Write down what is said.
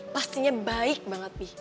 pastinya baik banget bi